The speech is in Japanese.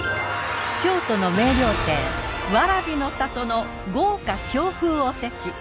京都の名料亭わらびの里の豪華京風おせち。